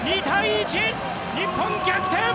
２対１！日本、逆転！